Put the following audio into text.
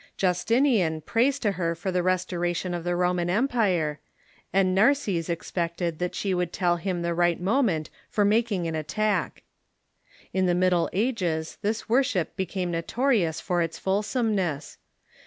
Jus tinian prays to her for the restoration of the Roman Empire, and Narses expected that she would tell him the right moment for making an attack.* In the Middle Ages this worship be came notorious for its fulsomeness.